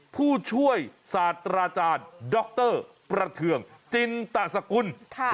ผู้ช่วยศาสตราจารย์ดรประเทืองจินตสกุล